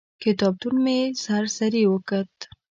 کتابتون مې سر سري وکت.